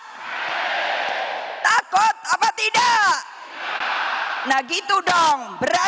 nanti katanya saya bumega provokator ya saya sekarang provokator demi keadilan